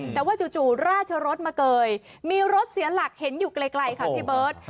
แต่ว่าจู่ราชรสมาเกยมีรถเสียหลักเห็นอยู่ไกลค่ะพี่เบิร์ต